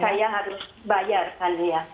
apa saya harus bayarkan ya